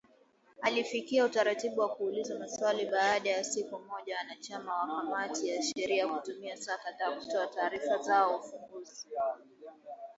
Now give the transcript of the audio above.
alifikia utaratibu wa kuulizwa maswali baada ya siku moja wanachama wa kamati ya sheria kutumia saa kadhaa kutoa taarifa zao ufunguzi